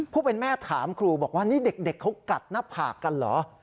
ผู้เป็นแม่ถามครูบอกว่านี่เด็กเขากัดหน้าผากกันเหรอ